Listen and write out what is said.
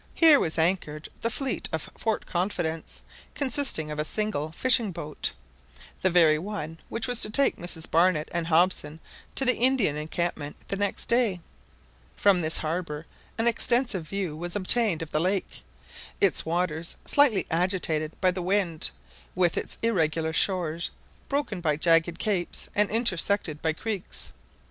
Here was anchored the fleet of Fort Confidence, consisting of a single fishing boat—the very one which was to take Mrs Barnett and Hobson to the Indian encampment the next day. From this harbour an extensive view was obtained of the lake; its waters slightly agitated by the wind, with its irregular shores broken by jagged capes and intersected by creeks.